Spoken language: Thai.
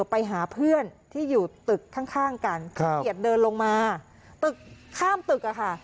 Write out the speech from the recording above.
ไปหาเพื่อนที่อยู่ตึกข้างกันขีเกียจเดินลงมาตึกข้ามตึกอะค่ะ